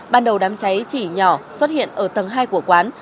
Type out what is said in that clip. ban đầu đám cháy chỉ nhỏ xuất hiện ở tầng hai của quán